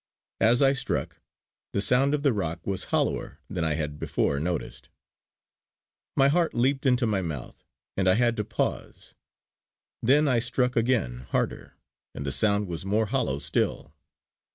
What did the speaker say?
As I struck, the sound of the rock was hollower than I had before noticed. My heart leaped into my mouth, and I had to pause. Then I struck again harder, and the sound was more hollow still.